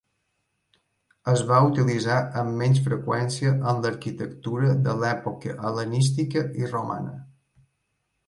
Es va utilitzar amb menys freqüència en l'arquitectura de l'època hel·lenística i romana.